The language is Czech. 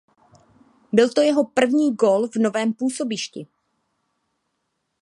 Byl to jeho první gól v novém působišti.